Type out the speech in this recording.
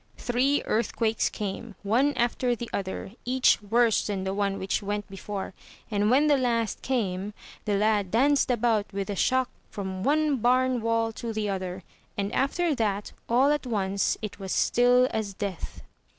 Three earthquakes came, one after the other each worse than the one which went before, and when the last came, the 55 M Y BOOK HOUSE lad danced about with the shock from one bam wall to the other; and, after that, all at once, it was still as death.